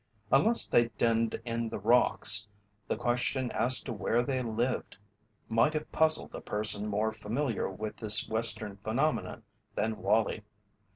Unless they denned in the rocks, the question as to where they lived might have puzzled a person more familiar with this Western phenomenon than Wallie.